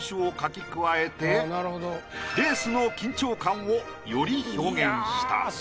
レースの緊張感をより表現した。